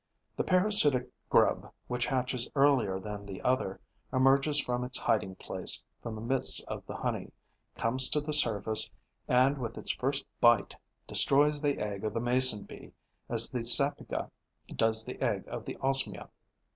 The parasitic grub, which hatches earlier than the other, emerges from its hiding place, from the midst of the honey, comes to the surface and, with its first bite, destroys the egg of the Mason bee, as the Sapyga does the egg of the Osmia.